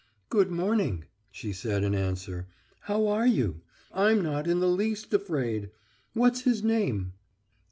"Good morning," she said in answer. "How are you? I'm not in the least afraid. What's his name?"